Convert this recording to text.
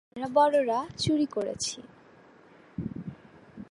আমরা বড়রা চুরি করেছি।